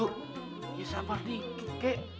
sabar dikek daripada kawin magul ya kan